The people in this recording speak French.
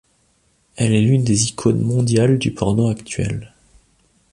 Elle est l'une des icônes mondiales du porno actuel.